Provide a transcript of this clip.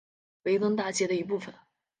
维登大街的一部分。